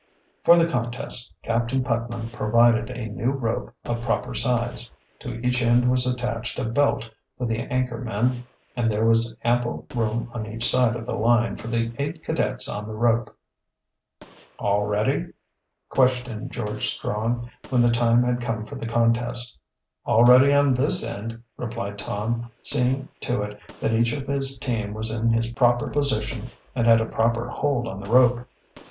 For the contest Captain Putnam provided a new rope of proper size. To each end was attached a belt for the anchor men, and there was ample room on each side of the line for the eight cadets on the rope. "All ready?" questioned George Strong, when the time had come for the contest. "All ready on this end," replied Tom, seeing to it that each of his team was in his proper position and had a proper hold on the rope.